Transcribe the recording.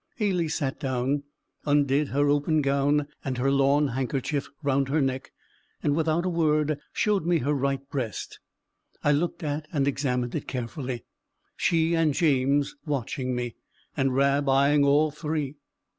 Ailie sat down, undid her open gown and her lawn handkerchief round her neck, and without a word, showed me her right breast. I looked at and examined it carefully she and James watching me, and Rab eyeing all three.